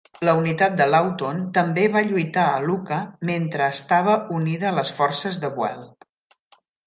La unitat de Lawton també va lluitar a Iuka mentre estava unida a les forces de Buell.